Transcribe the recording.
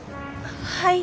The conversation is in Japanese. はい。